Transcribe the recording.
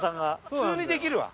通にできるわ！